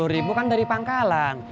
dua puluh ribu kan dari pangkalan